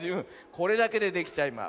これだけでできちゃいます。